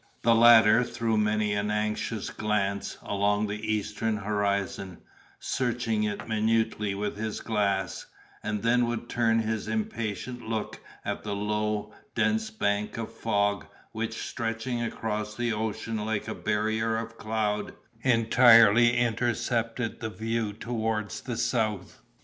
The latter threw many an anxious glance along the eastern horizon, searching it minutely with his glass, and then would turn his impatient looks at the low, dense bank of fog, which stretching across the ocean like a barrier of cloud, entirely intercepted the view towards the south.